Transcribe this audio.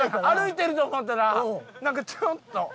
歩いてると思ったらなんかちょっと。